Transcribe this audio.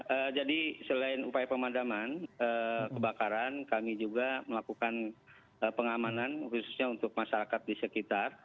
ya jadi selain upaya pemadaman kebakaran kami juga melakukan pengamanan khususnya untuk masyarakat di sekitar